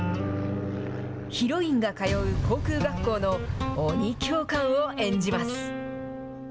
ヒロインが通う航空学校の鬼教官を演じます。